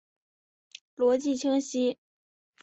逻辑清晰！